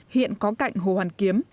hiện có cạnh hồ hoàn kiếm